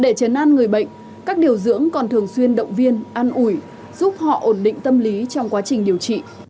để chấn an người bệnh các điều dưỡng còn thường xuyên động viên ăn ủi giúp họ ổn định tâm lý trong quá trình điều trị